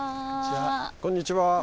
こんにちは。